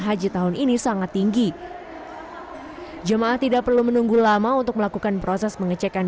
haji tahun ini sangat tinggi jemaah tidak perlu menunggu lama untuk melakukan proses pengecekan